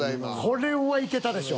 これはいけたでしょ。